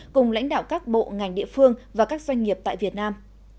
cùng lãnh đạo các bộ ngành địa phương và các doanh nghiệp tại việt nam